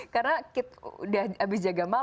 karena kita udah habis berjalan